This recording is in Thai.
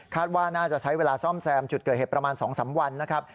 ว่าน่าจะใช้เวลาซ่อมแซมจุดเกิดเหตุประมาณ๒๓วันนะครับ